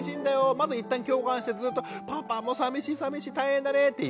まず一旦共感してずっと「パパもさみしいさみしい大変だね」って言う。